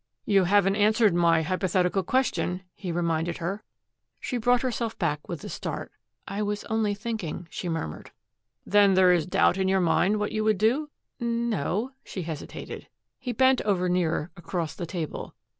"You haven't answered my hypothetical question," he reminded her. She brought herself back with a start. "I was only thinking," she murmured. "Then there is doubt in your mind what you would do?" "N no," she hesitated. He bent over nearer across the table.